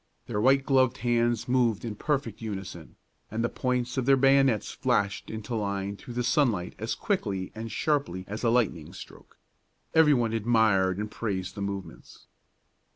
Their white gloved hands moved in perfect unison, and the points of their bayonets flashed into line through the sunlight as quickly and sharply as a lightning stroke. Every one admired and praised the movements.